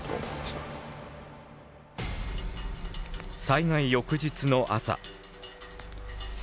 災害翌日の朝。